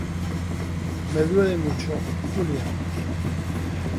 me duele mucho, Julia